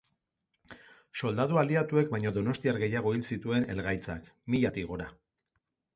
Soldadu aliatuek baino donostiar gehiago hil zituen helgaitzak, milatik gora.